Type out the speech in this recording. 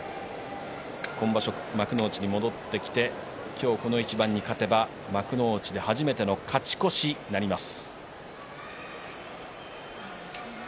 今場所、幕内に戻ってきて今日、この一番に勝てば幕内で初めての勝ち越しになります。